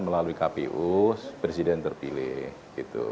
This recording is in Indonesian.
melalui kpu presiden terpilih gitu